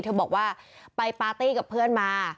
เธอบอกว่าไปปาร์ตี้กับเพื่อนมา